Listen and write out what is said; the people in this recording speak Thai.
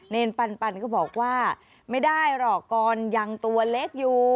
ปันก็บอกว่าไม่ได้หรอกกรยังตัวเล็กอยู่